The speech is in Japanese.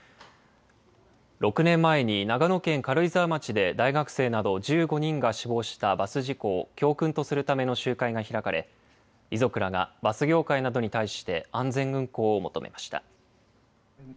６年前に長野県軽井沢町で大学生など１５人が死亡したバス事故を教訓とするための集会が開かれ、遺族らがバス業界などに対して安全運行を求めました。